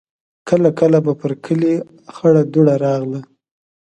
کله کله به پر کلي خړه دوړه راغله.